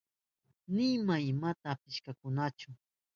Nima imata apishkakunachu.